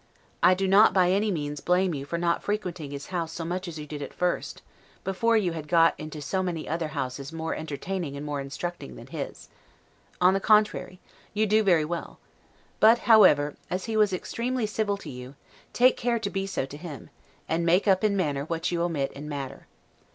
I do not by any means blame you for not frequenting his house so much as you did at first, before you had got into so many other houses more entertaining and more instructing than his; on the contrary, you do very well; but, however, as he was extremely civil to you, take care to be so to him, and make up in manner what you omit in matter.